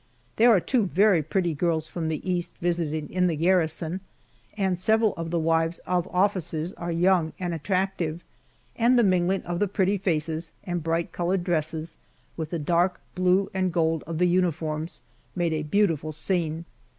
There are two very pretty girls from the East visiting in the garrison, and several of the wives of officers are young and attractive, and the mingling of the pretty faces and bright colored dresses with the dark blue and gold of the uniforms made a beautiful scene.